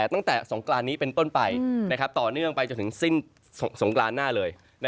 ตั้งแต่สงกรานนี้เป็นต้นไปต่อเนื่องไปจนถึงสิ้นสงกรานหน้าเลย